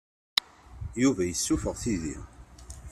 Yuba yessuffeɣ tidi.